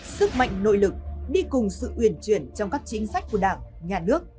sức mạnh nội lực đi cùng sự uyển chuyển trong các chính sách của đảng nhà nước